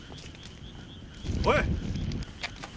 おい！